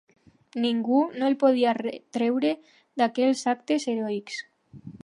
Ningú no el podia retreure d'aquells actes heroics.